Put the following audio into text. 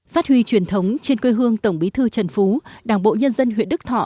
phát huy truyền thống trên quê hương tổng bí thư trần phú đảng bộ nhân dân huyện đức thọ